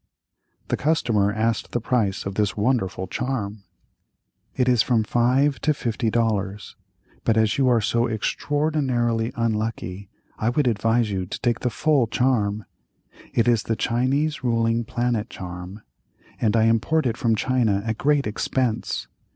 The customer asked the price of this wonderful charm. "It is from five to fifty dollars, but as you are so extraordinarily unlucky I would advise you to take the full charm. It is the Chinese Ruling Planet Charm, and I import it from China at great expense.